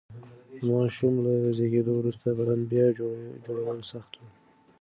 د ماشوم له زېږون وروسته بدن بیا جوړول سخت و.